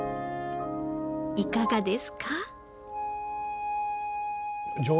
いかがですか？